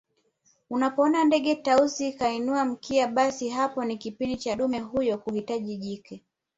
Unapoona ndege Tausi kainua mkia basi hapo ni kipindi cha dume huyo kuhitaji jike